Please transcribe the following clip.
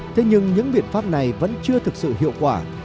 thế nhưng những biện pháp này vẫn chưa thực sự hiệu quả